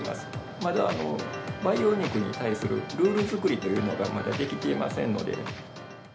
まだ培養肉に対するルール作りというのがまだできていませんので。